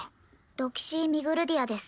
ロキシー・ミグルディアです。